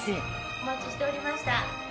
お待ちしておりました。